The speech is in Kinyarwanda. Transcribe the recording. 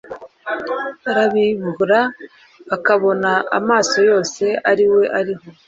arakibura akabona amaso yose ariwe ariho